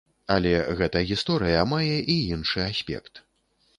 Але гэта гісторыя мае і іншы аспект.